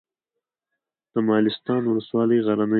د مالستان ولسوالۍ غرنۍ ده